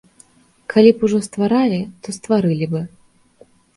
Калі б ужо стваралі, то стварылі бы.